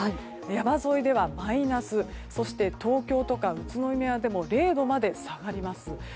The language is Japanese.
山沿いではマイナスそして東京とか宇都宮でも０度まで下がります。